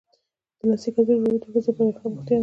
د لاسي کڅوړو جوړول د ښځو لپاره ښه بوختیا ده.